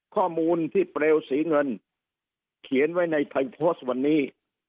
ข้อมูลที่เปลวสีเงินเขียนไว้ในไทยโพสต์วันนี้